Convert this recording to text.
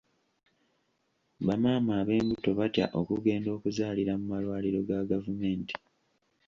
Bamaama ab'embuto batya okugenda okuzaalira mu malwaliro ga gavumenti.